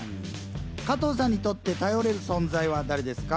加藤さんにとって頼れる存在は誰ですか？